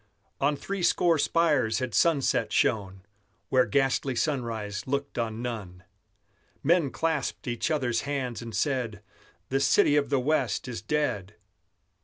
On threescore spires had sunset shone, Where ghastly sunrise looked on none. Men clasped each other's hands, and said: "The City of the West is dead!"